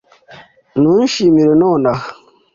ntunshimire nonaha